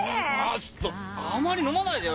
ちょっとあまり飲まないでよ。